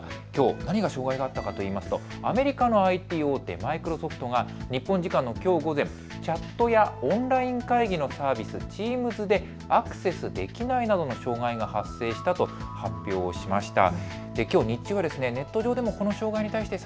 何が、障害があったかといいますとアメリカのＩＴ大手、マイクロソフトが日本時間のきょう午前、チャットやオンライン会議のサービス、チームズでアクセスできないなどの障害が発生したと発表しました。